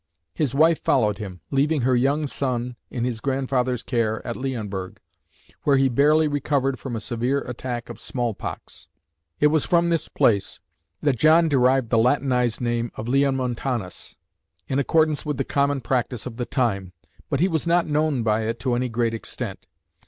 His wife followed him, leaving her young son in his grandfather's care at Leonberg, where he barely recovered from a severe attack of smallpox. It was from this place that John derived the Latinised name of Leonmontanus, in accordance with the common practice of the time, but he was not known by it to any great extent.